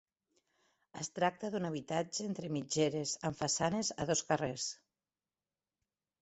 Es tracta d'un habitatge entre mitgeres amb façanes a dos carrers.